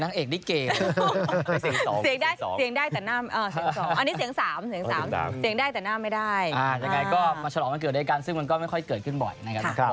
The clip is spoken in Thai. ข้างในสตูว่าไงครับเสียงแมวมากค่ะ